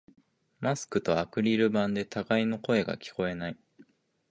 マスクとアクリル板で互いの声が聞こえない